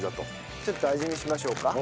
ちょっと味見しましょうか。